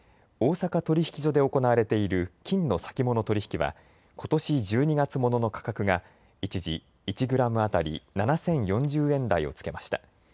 大阪取引所で行われている金の先物取引はことし１２月ものの価格が一時、１グラム当たり７０４０円台をつけました。